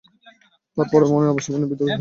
তার মনে পড়ে আবু সুফিয়ানের ভীতু চেহারা।